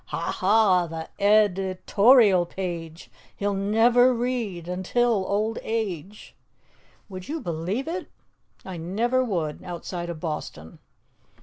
Ha! Ha! the ed ito rial page He'll nev er read until old age!_' Would you believe it? I never would outside of Boston."